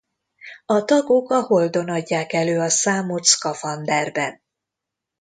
A tagok a Holdon adják elő a számot szkafanderben.